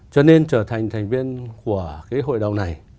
cho nên trở thành thành viên của cái hội đồng này